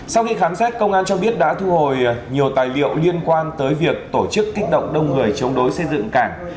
sau khi khám xét công an cho biết đã thu hồi nhiều tài liệu liên quan tới việc tổ chức kích động đông người chống đối xây dựng cảng